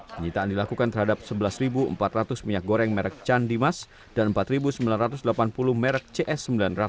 penyitaan dilakukan terhadap sebelas empat ratus minyak goreng merek candimas dan empat sembilan ratus delapan puluh merek cs sembilan ratus